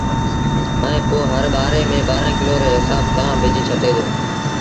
ائيٚݩ پو هر ٻآري ميݩ ٻآرآݩ ڪلو ري هسآب سآݩ ٻج ڇٽي دو